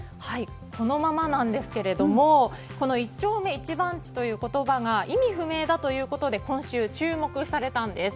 このままなんですけれどもこの一丁目一番地という言葉が意味不明だということで今週、注目されたんです。